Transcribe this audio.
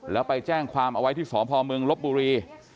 แล้วไปแจ้งความเอาไว้ที่สพเมืองลบบุรี